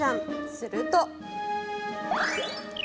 すると。